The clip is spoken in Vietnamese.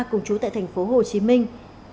cùng chú tại thành phố hồ chí minh